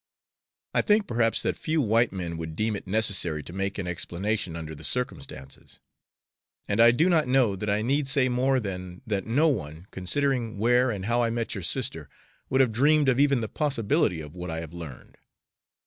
I think perhaps that few white men would deem it necessary to make an explanation under the circumstances, and I do not know that I need say more than that no one, considering where and how I met your sister, would have dreamed of even the possibility of what I have learned.